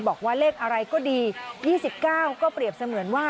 บอกว่าเลขอะไรก็ดี๒๙ก็เปรียบเสมือนว่า